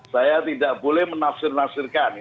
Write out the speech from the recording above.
saya tidak boleh menafsir nafsirkan